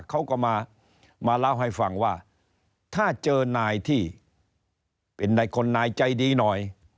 เขาก็มาเล่าให้ฟังว่าถ้าเจอนายที่เป็นนายคนนายใจดีหน่อย